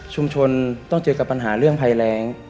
ต้องเจอกับปัญหาเรื่องภัยแรง